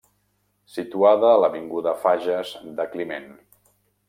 Situada a l'Avinguda Fages de Climent.